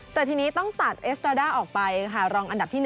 แต่ทีนี้ต้องตัดเอสตราด้าออกไปค่ะรองอันดับที่๑